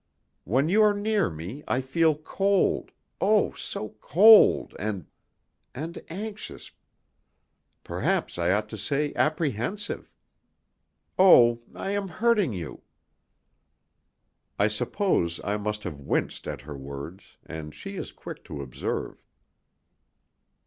When you are near me I feel cold, oh! so cold and and anxious; perhaps I ought to say apprehensive. Oh, I am hurting you!" I suppose I must have winced at her words, and she is quick to observe.